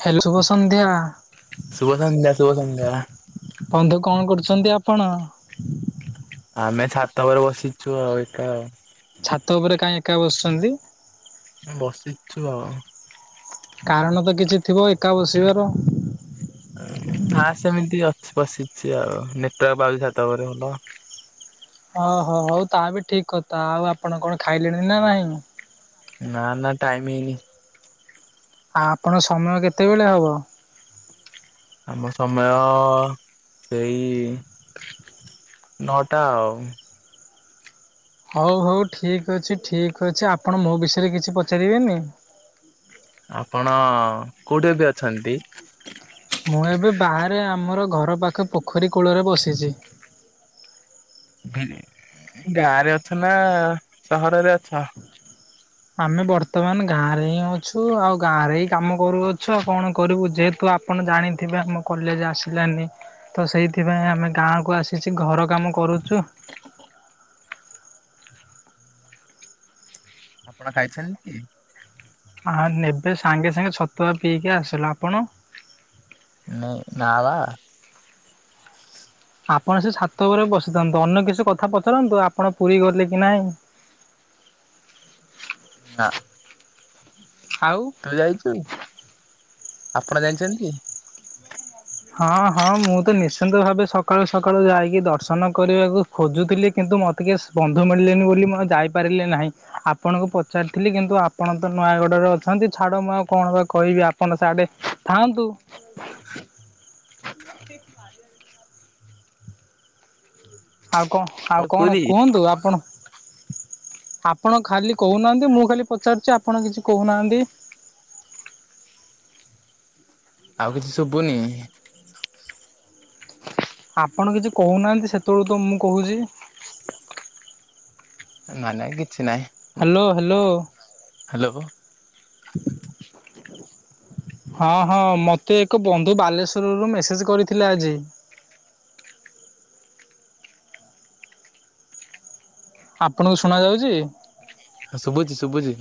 Hello ଶୁଭ ସନ୍ଧ୍ୟା। ଶୁଭ ସନ୍ଧ୍ୟା ଶୁଭ ସନ୍ଧ୍ୟା ବନ୍ଧୁ କଣ କରୁଛନ୍ତି ଆପଣ। ଆମେ ଛାତ ଉପରେ ବସିଛୁ ଆଉ ଏକା। ଛାତ ଉପରେ କାହିଁ ଏକା ବସିଛନ୍ତି? ବସିଛୁ ଆଉ। କାରଣ ତ କିଛି ଥିବ ଏକା ବସିବାର? ହଁ ସେମିତି ଅଛି ବସିଛି ଆଉ ନେଟୱର୍କ ପାଉଛି ଛାତ ଉପରେ ଆଉ। ଓହୋ ହଉ ତା ବି ଠିକ କଥା ଆଉ ଆପଣ କଣ ଖାଇଲେଣି ନା ନାହିଁ? ନା ନା ଟାଇମ ହେଇନି। ଆଉ ଆପଣଙ୍କ ସମୟ କେତେବେଳେ ହବ? ଆମ ସମୟ ସେଇ [unintelligible] ନଅଟା ଆଉ। ହଉ ହଉ ଠିକ୍ ଅଛି ଠିକ୍ ଅଛି ଆପଣ ମୋ ବିଷୟରେ କିଛି ପଚାରିବେନି? ଆପଣ କୋଉଠି ଏବେ ଅଛନ୍ତି? ମୁଁ ଏବେ ବାହାରେ ଆମର ଘର ପାଖ ପୋଖରୀ କୂଳରେ ବସିଛି। ଗାଁରେ ଅଛ ନା ସହରରେ ଅଛ? ଆମେ ବର୍ତ୍ତମାନ ଗାଁରେ ହିଁ ଅଛୁ ଆଉ ଗାଁରେ ହିଁ କାମ କରୁଅଛୁ ଆଉ କଣ କରିବୁ ଯେହେତୁ ଆପଣ ଜାଣିଥିବେ ଆମ କଲେଜ ଆସିଲାନି। ତ ସେଇଥିପାଇଁ ଆମେ ଗାଁକୁ ଆସିଛି ଘର କାମ କରୁଛୁ। ଆପଣ ଖାଇଛନ୍ତି କି? ହାଁ ଏବେ ସାଙ୍ଗେ ସାଙ୍ଗେ ଛତୁଆ ପିଇକି ଆସିଲା ଆପଣ? ନା ବା। ଆପଣ ସେ ଛାତ ଉପରେ ବସିଥାନ୍ତୁ ଅନ୍ୟ କିଛି କଥା ପଚାରନ୍ତୁ ଆପଣ ପୁରୀ ଗଲେ କି ନାହିଁ? ନା। ଆଉ ତୁ ଯାଇଛୁ ଆପଣ ଜାଣିଛନ୍ତି? ହଁ ହଁ ମୁଁ ତ ନିଶ୍ଚିନ୍ତ ଭାବେ ସକାଳୁ ସକାଳୁ ଯାଇକି ଦର୍ଶନ କରିବାକୁ ଖୋଜୁଥିଲି କିନ୍ତୁ ମୋତ ଟିକେ ବନ୍ଧୁ ମିଳିଲେନି ବୋଲି ମୁଁ ଯାଇପାରିଲି ନାହିଁ। ଆପଣଙ୍କୁ ପଚାରିଥିଲି କିନ୍ତୁ ଆପଣ ତ ନୂଆାଗଡରେ ଅଛନ୍ତି ଛାଡ ମୁଁ ଆଉ କଣ ବା କହିବି? ଆପଣ ସେଆଡ଼େ ଥାଆନ୍ତୁ। [inaudible] ଆଉ କଣ ଆଉ କଣ ପୁରୀ କୁହନ୍ତୁ ଆପଣ? ଆପଣ ଖାଲି କହୁନାହାନ୍ତି ମୁଁ ଖାଲି ପଚାରୁଛି ଆପଣ କିଛି କହୁନାହାନ୍ତି। ଆଉ କିଛି ଶୁଭୁନି? ଆପଣ କିଛି କହୁନାହାନ୍ତି ସେତେବେଳୁ ତ ମୁଁ କହୁଛି? ହ ନାଇଁ ନାଇଁ କିଛି ନାଇଁ? Hello hello. ହ୍ୟାଲୋ। ହଁ ହଁ ମତେ ଏକ ବନ୍ଧୁ ବାଲେଶ୍ଵର ରୁ ମେସେଜ କରିଥିଲେ ଆଜି। ଆପଣଙ୍କୁ ଶୁଣା ଯାଉଛି? ହ ଶୁଭୁଛି ଶୁଭୁଛି।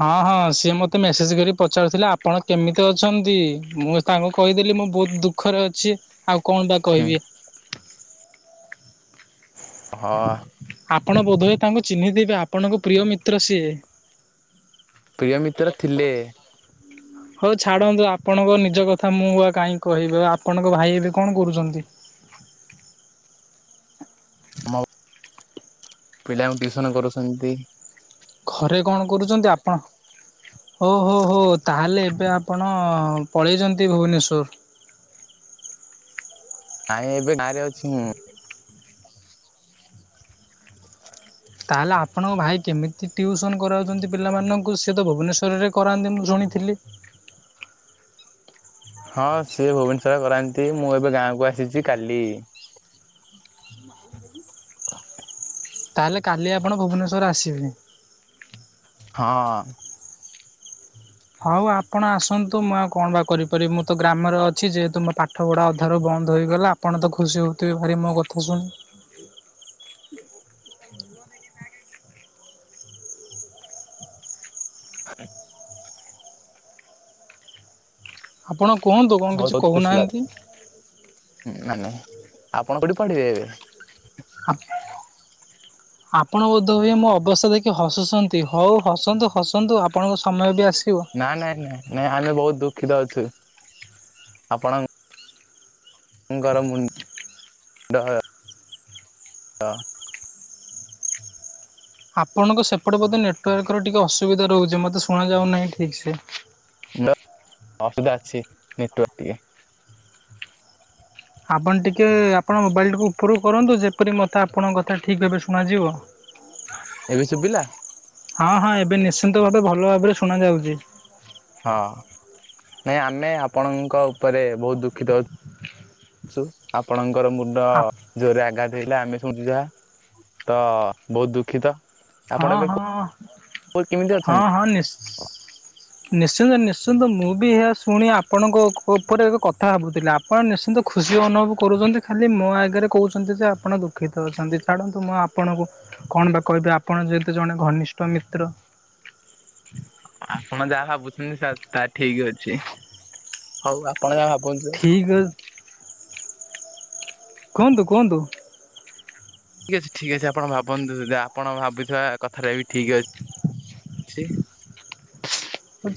ହଁ ହଁ ସିଏ ମତେ ମେସେଜ କରିକ ପଚାରୁଥିଲେ ଆପଣ କେମିତି ଅଛନ୍ତି ମୁଁ ତାଙ୍କୁ କହିଦେଲି ମୁଁ ବହୁତ ଦୁଃଖରେ ଅଛି ଆଉ କଣ ବା ହୁଁ କହିବି? ହଁ। ଆପଣ ବୋଧହୁଏ ତାଙ୍କୁ ଚିହ୍ନି ଦେବେ ଆପଣଙ୍କ ପ୍ରିୟ ମିତ୍ର ସିଏ। ପ୍ରିୟ ମିତ୍ର ଥିଲେ। ହ ହ ହଉ ଛାଡ଼ନ୍ତୁ ଆପଣଙ୍କ ନିଜ କଥା ମୁଁ ବା କାହିଁ କହିବି ଆପଣଙ୍କ ଭାଇ ଏବେ କଣ କରୁଛନ୍ତି? ମୋ ପିଲାଙ୍କୁ ଟିଉସନ କରୁଛନ୍ତି। ଘରେ କଣ କରୁଛନ୍ତି ଆପଣ? ଓଉ ହୋ ହଉ ତାହେଲେ ଏବେ ଆପଣ ପଳେଇଛନ୍ତି ଭୁବନେଶ୍ୱର? ନାଇଁ ଏବେ ଗାଁରେ ଅଛିଁ ମୁଁ। ହ ତାହେଲେ ଆପଣଙ୍କ ଭାଇ କେମିତି ଟିଉସନ୍ କରାଉଛନ୍ତି ପିଲାମାନଙ୍କୁ, ସିଏ ତ ଭୁବନେଶ୍ୱରରେ କରାନ୍ତି ମୁଁ ଶୁଣିଥିଲି। ହଁ ସିଏ ଭୁବନେଶ୍ଵରରେ କରାନ୍ତି ମୁଁ ଏବେ ଗାଁକୁ ଆସିଛି କାଲି। ହ ତାହେଲେ କାଲି ଆପଣ ଭୁବନେଶ୍ୱର ଆସିବେ? ହଁ। ହଉ ଆପଣ ଆସନ୍ତୁ ମୁଁ ଆଉ କଣ ବା କରିପାରିବି ମୁଁ ତ ଗ୍ରାମରେ ଅଛି ଯେହେତୁ ମୋ ପା ପାଠଗଢ଼ା ଅଧାରୁ ବନ୍ଦ ହୋଇଗଲା ଆପଣ ତ ଖୁସି ହେଉଥିବେ ଭାରି ମୋ କଥାକୁ ଶୁ ହ ଆପଣ କୁହନ୍ତୁ କଣ କିଛି କହୁନାହାନ୍ତି। ହୁଁ ନା ନା ଆପଣ କୋଉଠି ପଢିବେ ଏବେ? ଆ। ଆପଣ ବୋଧ ହୁଏ ମୋ ଅବସ୍ଥା ଦେଖି ହସୁଛନ୍ତି ହଉ ହସନ୍ତୁ ହସନ୍ତୁ ଆପଣଙ୍କ ସମୟ ବି ଆସିବ। ନା ନାଇଁ ନାଇଁ ଆମେ ବହୁତ ଦୁଃଖିତ ଅଛୁ ଆପଣ। ହୁଁ ଗରାମ ଡହ ଡହ। ଆପଣଙ୍କ ସେପଟେ ବୋଧେ ନେଟୱାର୍କର ଟିକେ ଅସୁବିଧ ରହୁଛି ମୋତେ ଶୁଣାଯାଉନାହିଁ ଠିକ୍ ସେ। ଲ ଅସୁବଧା ଅଛି ନେଟୱା ଆପଣ ଟିକିଏ ଆପଣ ମୋବାଇଲକୁ ଉପରକୁ କରନ୍ତୁ ଯେପରି ମୋତେ ଆପଣଙ୍କ କଥା ଠିକ୍ ଭାବେ ଶୁଣାଯିବ। ହଁ ଏବେ ଶୁଭିଲା। ହଁ ହଁ ଏବେ ନିଶ୍ଚିନ୍ତ ଭାବେ ଭଲ ଭାବରେ ଶୁଣା ଯାଉଛି। ହଁ ନାଇଁ ଆମେ ଆପଣଙ୍କ ଉପରେ ବହୁତ ଦୁଃଖିତ। ସୁ ଆପଣଙ୍କର ମୁଣ୍ଡ। ଜୋରରେ ଆଘାତ ହେଇଲା ଆମେ ଶୁଣଛୁ ଯାହା ତ ବହୁତ ଦୁଃଖିତ। ଆପଣ ହଁ ଏବେ ହଁ କୋଉ କେମିତି ହଁ ଅଛନ୍ତି? ହଁ ନିଶ୍ଚ ନିଶ୍ଚିନ୍ତ ନିଶ୍ଚିନ୍ତ ମୁଁ ବି ଏହା ଶୁଣି ଆପଣଙ୍କ ଉପରେ ଏକ କଥା ଭୁ ଥିଲା। ଆପଣ ନିଶ୍ଚିନ୍ତ ଖୁସି ଅନୁଭବ କରୁଛନ୍ତି ଖାଲି ମୋ ଆଗରେ କହୁଛନ୍ତି ଯେ ଆପଣ ଦୁଃଖିତ ଅଛନ୍ତି ଛାଡ଼ନ୍ତୁ ମୁଁ ଆ ଆପଣଙ୍କୁ କଣ ବା କହିବି ଆପଣ ଯେହେତୁ ଜଣେ ଘନିଷ୍ଠ ମିତ୍ର। ଆପଣ ଯାହା ଭାବୁଚନ୍ତି ତା ତା ଠିକ ଅଛି ହଉ ଆପଣ ଯାହା ଭାବନ୍ତୁ। ଠିକ୍ ଅ କୁହନ୍ତୁ କୁହନ୍ତୁ। ଠିକ୍ ଅଛି ଠିକ୍ ଅଛି ଆପଣ ଭାବନ୍ତୁ ଯା ଆପଣ ଭାବିଥିବା କଥାଟା ବି ଠିକ୍ ଅଛି।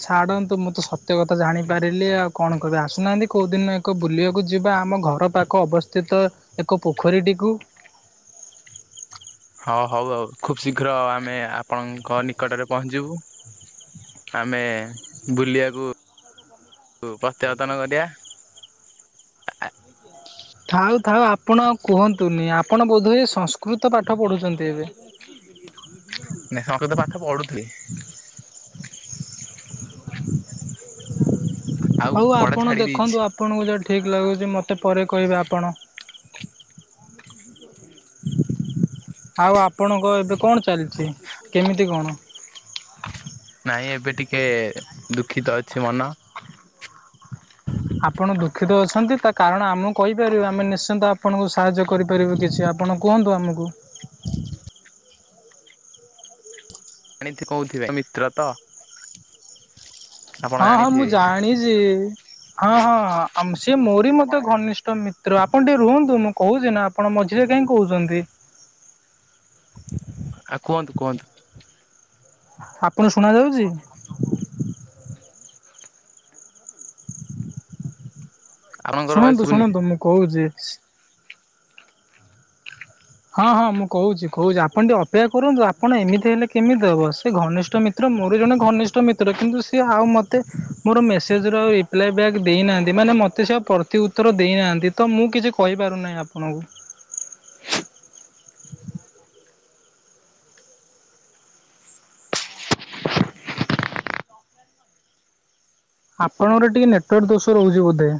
ଛାଡନ୍ତୁ ମୁଁ ତ ସତ୍ୟ କଥା ଜାଣିପାରିଲି ଆଉ କଣ କହିବି ଆସୁନାହାନ୍ତି କୋଉ ଦିନ। ତ ବୁଲିବାକୁ ଯିବା ଆମ ଘର ପାଖ ଅବସ୍ଥିତ ଏକ ପୋଖରୀଟିକୁ। ହଁ ହଉ ହଉ ଖୁବ ଶୀଘ୍ର ଆମେ ଆପଣଙ୍କ ନିକଟରେ ପହଞ୍ଚିବୁ। ଆମେ ବୁଲିବାକୁ ପ୍ରତ୍ୟାବର୍ତ୍ତନ କରିବା। ଥାଉ ଥାଉ ଆପଣ କୁହନ୍ତୁନି ଆପଣ ବୋଧେ ସଂସ୍କୃତ ପାଠ ପଢ଼ୁଛନ୍ତି ଏବେ। ନାଇଁ ସଂସ୍କୃତ ପାଠ ପଢୁଥିଲି। ଆଉ ହଉ ପଢା ଆପଣ ଛାଡି ଦେଇଛି। ଦେଖନ୍ତୁ ଆପ। ଆପଣଙ୍କୁ ଯା ଠିକ୍ ଲାଗୁଛି ମୋତେ ପରେ କହିବେ ଆପଣ। ଆଉ ଆପଣଙ୍କ ଏବେ କଣ ଚାଲିଛି କେମିତି କଣ? ନାଇଁ ଏବେ ଟିକେ ଦୁଃଖିତ ଅଛି ମନ। ଆପଣ ଦୁଖିତ ଅଛନ୍ତି ତା କାରଣ ଆମକୁ କହିପାରିବେ ଆମେ ନିଶ୍ଚିନ୍ତ ଆପଣଙ୍କୁ ସାହାଯ୍ୟ କରିପାରିବୁ କିଛି ଆପଣ କୁହନ୍ତୁ ଆମକୁ। ହ ଏଣିତି କହୁଥିବେ ମିତ୍ର ତ। ଆପଣ ହଁ ହଁ ମୁଁ ଜାଣିଥିବେ ଜାଣିଚି। ହଁ ହଁ ସିଏ ମୋରି ମତେ ଘନିଷ୍ଠ ମିତ୍ର ଆପଣ ଟିକେ ରୁହନ୍ତୁ ମୁଁ। କହୁଚି ନା ଆପଣ ମଝିରେ କାଇଁ କହୁଚନ୍ତି। ଆ କୁହନ୍ତୁ କୁହନ୍ତୁ। ଆପଣ ଶୁଣାଯାଉଚି। ଆପଣଙ୍କର ଭଏସ ଶୁଣନ୍ତୁ ଶୁଭୁନି। ଶୁଣନ୍ତୁ ମୁଁ କହୁଚି। ହଁ ହଁ ମୁଁ କହୁଛି କହୁଛି ଆପଣ ଟିକେ ଅପେକ୍ଷା କରନ୍ତୁ ଆପଣ ଏମିତି ହେଲେ କେମିତି ହବ ସେ ଘନିଷ୍ଠ ମିତ୍ର ତ୍ର ମୋର ଜଣେ ଘନିଷ୍ଠ ମିତ୍ର କିନ୍ତୁ ସିଏ ଆଉ ମୋତେ ମୋର ମେସେଜ ର ଆଉ ରିପ୍ଲାଏ ବ୍ୟାକ୍ ଦେଇନାହାନ୍ତି ମାନେ ମତେ ମୋତେ ସେ ପ୍ରତି ଉତ୍ତର ଦେଇନାହାନ୍ତି ତ ମୁଁ କିଛି କହିପାରୁନାହିଁ ଆପଣଙ୍କୁ। [unintelligible] [inaudible] ଆପଣଙ୍କର ଟିକେ ନେଟୱାର୍କ ଦୋଷ ରହୁଛି ବୋଧେ?